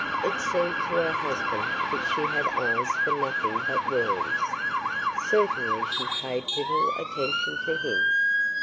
It seemed to her husband that she had eyes for nothing but worms. Certainly she paid little attention to him.